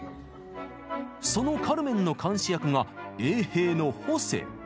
そのカルメンの監視役が衛兵のホセ。